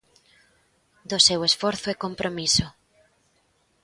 Do seu esforzo e compromiso.